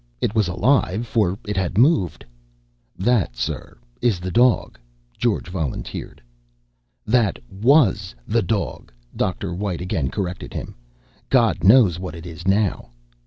It was alive, for it had moved. "That, sir, is the dog," George volunteered. "That was the dog," Dr. White again corrected him. "God knows what it is now."